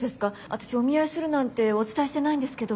私お見合いするなんてお伝えしてないんですけど。